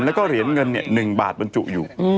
แล้วก็เหรียญเงิน๑บาทบรรจุอยู่